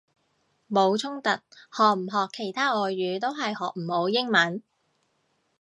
冇衝突，學唔學其他外語都係學唔好英文！